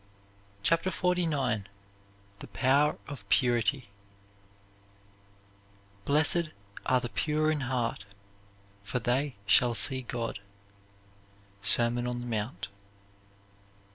CHAPTER XLIX THE POWER OF PURITY Blessed are the pure in heart for they shall see God. SERMON ON THE MOUNT.